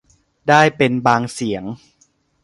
ได้เป็นบางเสียง